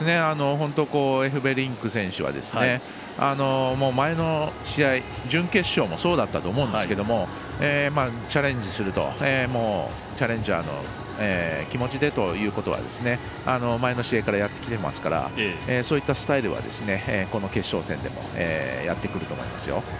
エフベリンク選手は前の試合、準決勝もそうだったと思うんですけどチャレンジャーの気持ちでということは前の試合からやってきてますからそういった意味ではこの決勝戦でもやってくると思いますよ。